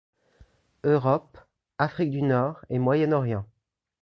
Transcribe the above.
Europe, Afrique du Nord et Moyen-Orient.